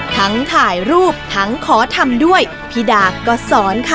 ทั้งถ่ายรูปทั้งขอทำด้วยพี่ดาก็สอนค่ะ